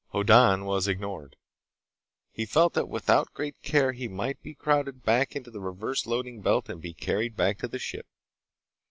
Hoddan was ignored. He felt that without great care he might be crowded back into the reversed loading belt and be carried back into the ship.